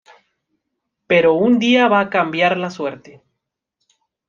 Pero un día va a cambiar la suerte...